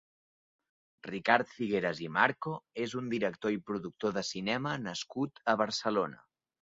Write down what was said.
Ricard Figueras i Marco és un director i productor de cinema nascut a Barcelona.